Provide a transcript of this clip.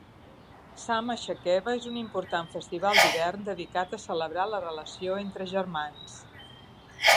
Sama Chakeva és un important festival d'hivern dedicat a celebrar la relació entre germans.